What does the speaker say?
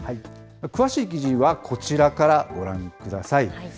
詳しい記事は、こちらからご覧ください。